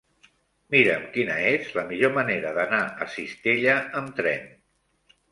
Mira'm quina és la millor manera d'anar a Cistella amb tren.